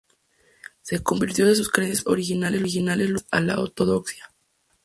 Se convirtió de sus creencias familiares originales luteranas a la ortodoxia.